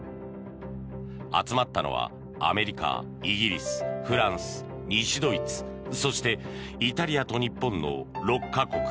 集まったのはアメリカ、イギリス、フランス西ドイツ、そしてイタリアと日本の６か国。